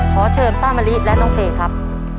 ขอเชิญป้ามะลิและน้องเฟย์ครับ